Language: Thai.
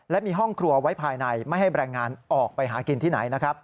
และมีห้องครัวไว้ภายในไม่ให้แรงงานออกไปหากินที่ไหน